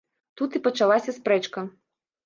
Тут і пачалася спрэчка.